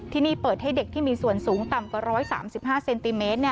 ที่นี่เปิดให้เด็กที่มีส่วนสูงต่ำกว่า๑๓๕เซนติเมตร